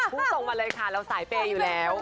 พูดตรงมาเลยค่ะเราสายเปย์อยู่แล้ว